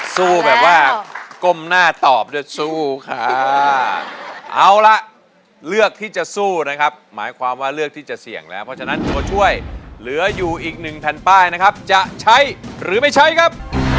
สู้แบบว่าก้มหน้าตอบด้วยสู้ค่ะเอาละเลือกที่จะสู้นะครับหมายความว่าเลือกที่จะเสี่ยงแล้วเพราะฉะนั้นตัวช่วยเหลืออยู่อีกหนึ่งแผ่นป้ายนะครับจะใช้หรือไม่ใช้ครับ